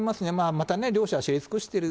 またね、両者知り尽くしている。